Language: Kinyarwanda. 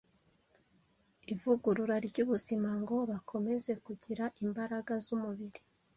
ivugurura ry’ubuzima ngo bakomeze kugira imbaraga z’umubiri.